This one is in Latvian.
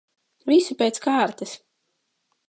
Visu pēc kārtas.